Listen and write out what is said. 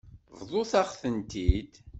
Bḍut-aɣ-tent-id.